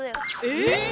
えっ！